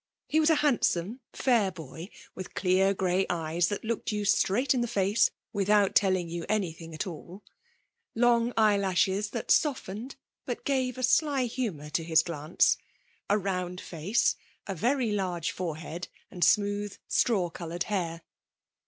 He was a handsome, fair boy with clear grey eyes that looked you straight in the face without telling you anything at all, long eyelashes that softened, but gave a sly humour to his glance, a round face, a very large forehead, and smooth straw coloured hair.